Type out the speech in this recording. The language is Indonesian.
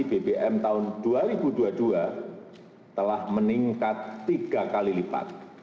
bbm tahun dua ribu dua puluh dua telah meningkat tiga kali lipat